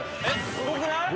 すごくない？